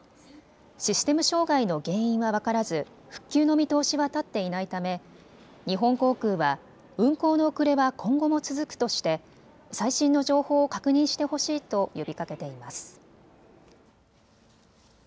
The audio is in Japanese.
システム障害の原因は分からず復旧の見通しは立っていないため日本航空は、運航の遅れは今後も続くとして最新の情報を確認してほしいと呼びかけています。